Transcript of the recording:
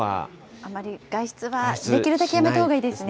あまり外出は、できるだけやめたほうがいいですね。